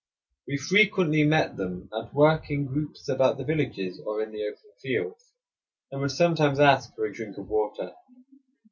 We frequently met them at work in groups about the villages or in the open fields, and would sometimes ask for a drink of water.